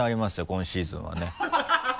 今シーズンはね。